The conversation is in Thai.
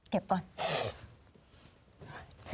เก็บก่อน